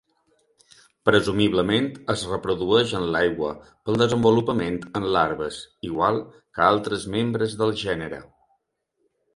Presumiblement es reprodueix en l'aigua pel desenvolupament en larves, igual que altres membres del gènere.